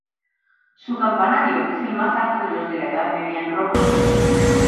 Su campanario es el más alto de los de la Edad Media en Roma.